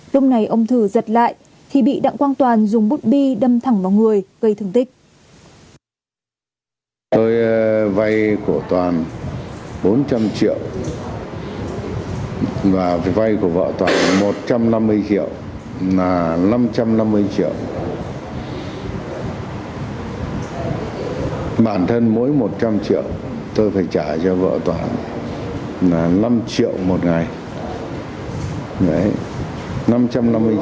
lúc này ông thử giật lại khi bị đặng quang toàn dùng bút bi đâm thẳng vào người gây thương tích